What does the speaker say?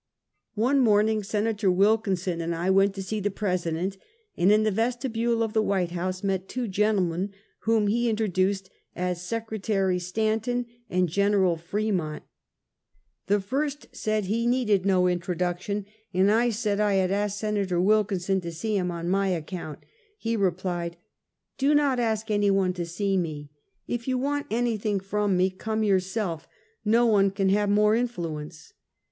One morning Senator Wilkinson and I went to see the President, and in the vestibule of the White House met two gentlemen whom he introduced as Sec. Stan ton and Gen. Fremont. The first said he needed no introduction, and I said I had asked Senator Wilkin son to see him on my account. He replied: "Do not ask any one to see me! If you want any thing from me, come yourself, l^o one can have more influence."